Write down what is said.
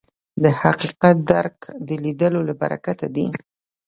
د حقیقت درک د لیدلو له برکته دی